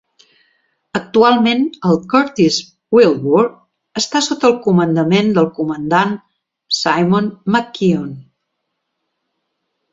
Actualment el "Curtis Wilbur" està sota el comandament del comandant Simon McKeon.